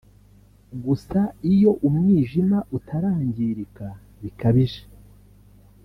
Gusa iyo umwijima utarangirinka bikabije